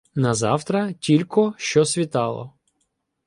На завтра, тілько що світало